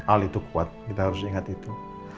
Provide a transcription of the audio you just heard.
al itu kuat kita harus ingat itu